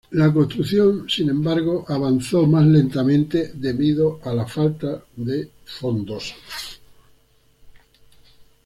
La construcción, sin embargo, avanzó más lentamente debido a la falta de fondos.